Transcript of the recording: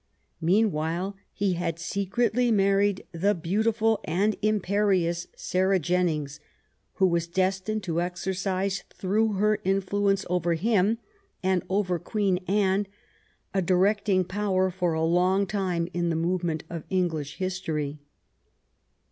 Mean while he had secretly married the beautiful and im perious Sarah Jennings, who was destined to exercise, through her influence over him and over Queen Anne, a directing power for a long time in the movement of English history.